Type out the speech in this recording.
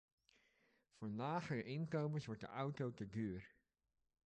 Voor lagere inkomens wordt de auto te duur.